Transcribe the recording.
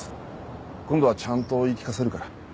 今度はちゃんと言い聞かせるから。